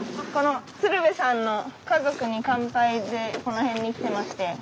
この鶴瓶さんの「家族に乾杯」でこの辺に来てまして。